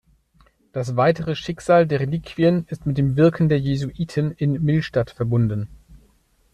Das weitere Schicksal der Reliquien ist mit dem Wirken der Jesuiten in Millstatt verbunden.